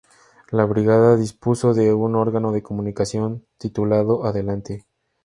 La brigada dispuso de un órgano de comunicación, titulado "Adelante".